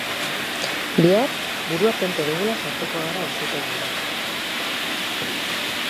Bihar burua tente dugula sartuko gara auzitegian.